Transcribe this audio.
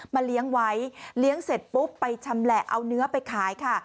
เลี้ยงไว้เลี้ยงเสร็จปุ๊บไปชำแหละเอาเนื้อไปขายค่ะ